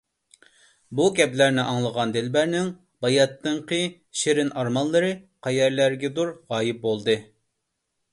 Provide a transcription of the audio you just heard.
بۇ گەپلەرنى ئاڭلىغان دىلبەرنىڭ باياتىنقى شېرىن ئارمانلىرى قەيەرلەرگىدۇر غايىب بولدى.